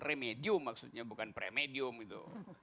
remedium maksudnya bukan premedium itu